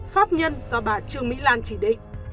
pháp nhân do bà trương mỹ lan chỉ định